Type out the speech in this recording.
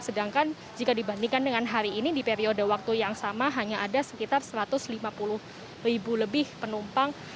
sedangkan jika dibandingkan dengan hari ini di periode waktu yang sama hanya ada sekitar satu ratus lima puluh ribu lebih penumpang